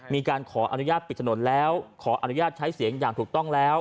มีการขออนุญาตปิดถนนแล้วขออนุญาตใช้เสียงอย่างถูกต้องแล้ว